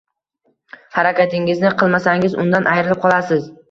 Harakatingizni qilmasangiz, undan ayrilib qolasiz